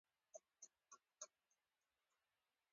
شمعی پټي ځلوه غمازان ډیر دي